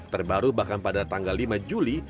terbaru bahkan pada tanggal lima juli